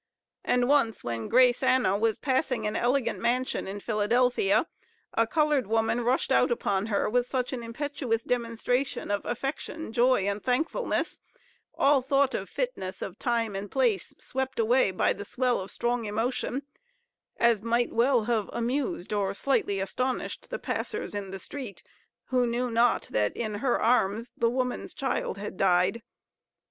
And once, when Grace Anna was passing an elegant mansion in Philadelphia, a colored woman rushed out upon her with such an impetuous demonstration of affection, joy, and thankfulness all thought of fitness of time and place swept away by the swell of strong emotion as might well have amused, or slightly astonished, the passers in the street, who knew not that in her arms the woman's child had died.